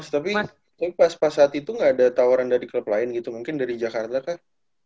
tapi pas pas saat itu nggak ada tawaran dari klub lain gitu mungkin dari jakarta kah